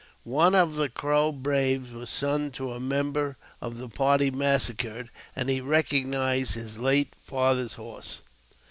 One of the Crow braves was son to a member of the party massacred, and he recognized his late father's horse.